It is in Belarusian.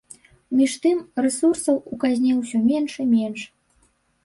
Між тым, рэсурсаў у казне ўсё менш і менш.